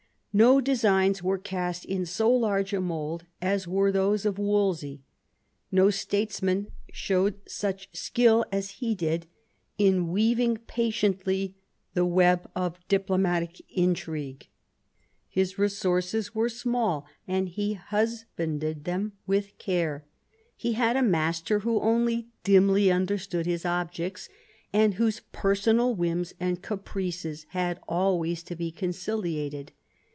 No designs were cast in so large a mould as were those of Wolsey ; no statesman showed such skill as he did in weaving patiently the web of diplomatic intrigue. His resources were small, and he husbanded them with care. He had a master who only dimly understood his objects, and whose personal whims and caprices had always to be conciliated.